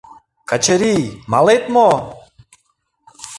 — Качырий, малет мо?